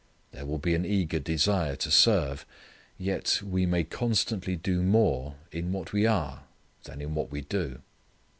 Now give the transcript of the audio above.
There will be an eager desire to serve. Yet we may constantly do more in what we are than in what we do.